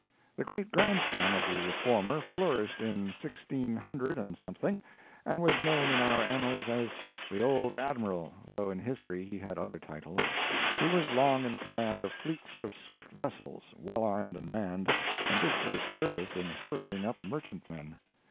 The great grandson of the "Reformer" flourished in sixteen hundred and something, and was known in our annals as "the old Admiral," though in history he had other titles. He was long in command of fleets of swift vessels, well armed and manned, and did great service in hurrying up merchantmen.